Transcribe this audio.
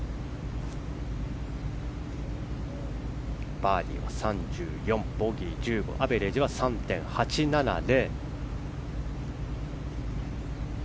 バーディーは３４ボギー１５アベレージは３．８７０。